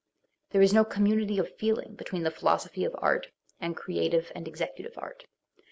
There is no community o : f fooling between the philosophy of art and creative and executive art.